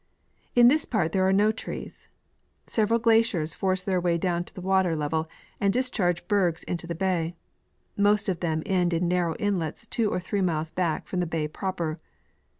In this part there are no trees. Several glaciers force their way down to the water level and discharge bergs into the bay ; most of them end in narrow inlets two or three miles back from the bay proper.